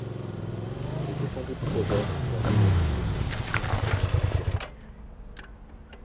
Il était sans doute trop jeune pour avoir reçu de celui-ci un enseignement direct.